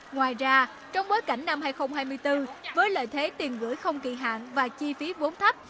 ngoài ra trong bối cảnh năm hai nghìn hai mươi bốn với lợi thế tiền gửi không kỳ hạn và chi phí vốn thấp